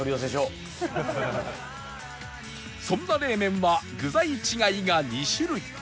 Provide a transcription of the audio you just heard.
そんな冷麺は具材違いが２種類